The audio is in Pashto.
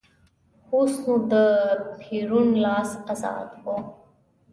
اوس نو د پېرون لاس ازاد و.